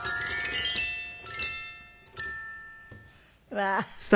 わあ。